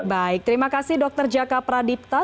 baik terima kasih dokter jaka pradipta